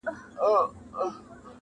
ستا د کتاب تر اشو ډېر دي زما خالونه!